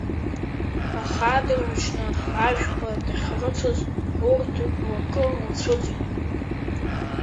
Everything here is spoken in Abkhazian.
Аха адырҩаҽны ажәқәа дахьрыцыз урҭ руакы лцәыӡит.